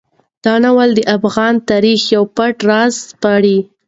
دا ناول د افغان تاریخ یو پټ راز سپړي.